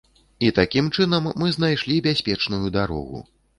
І такім чынам мы знайшлі бяспечную дарогу.